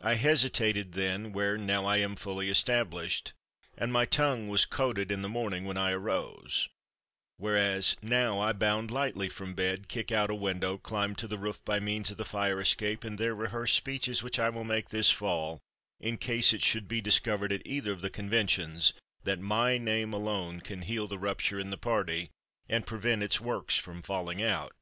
I hesitated then where now I am fully established, and my tongue was coated in the morning when I arose, whereas now I bound lightly from bed, kick out a window, climb to the roof by means of the fire escape and there rehearse speeches which I will make this fall in case it should be discovered at either of the conventions that my name alone can heal the rupture in the party and prevent its works from falling out.